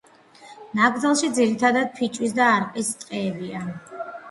ნაკრძალში ძირითადად ფიჭვისა და არყის ტყეებია.